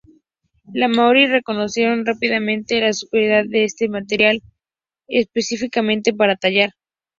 Los maorí reconocieron rápidamente la superioridad de este material, especialmente para tallar.